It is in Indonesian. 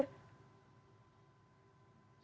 jadi begini ya